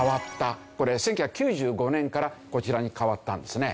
これ１９９５年からこちらに変わったんですね。